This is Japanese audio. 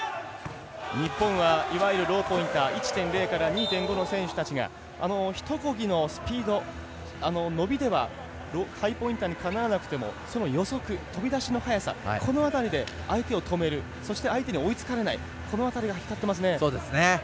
日本はいわゆるローポインター１．０から２．５の選手たちがひとこぎのスピード伸びではハイポインターにかなわなくてもその予測、飛び出しの速さこのあたりで相手を止めるそして相手に追いつかれないこのあたりが光ってますね。